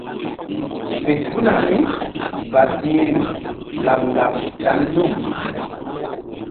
Fe tuna mí badi̧hri laɓ ŋgaŋ dan num.